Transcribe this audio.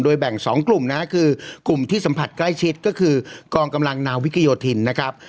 แบ่ง๒กลุ่มนะฮะคือกลุ่มที่สัมผัสใกล้ชิดก็คือกองกำลังนาวิกโยธินนะครับ